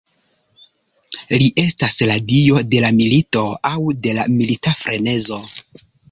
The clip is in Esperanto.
Li estas la dio de la milito aŭ de la milita frenezo.